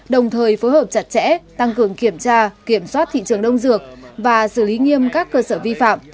đồng thời phối hợp chặt chẽ tăng cường kiểm tra kiểm soát thị trường đông dược và xử lý nghiêm các cơ sở vi phạm